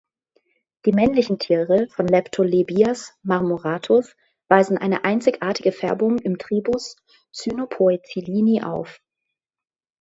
Die männlichen Tiere von "Leptolebias marmoratus" weisen eine einzigartige Färbung im Tribus Cynopoecilini auf.